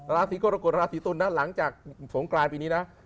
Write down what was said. ราศีกรกฎราศีตุลนะหลังจากสงกรานปีนี้นะ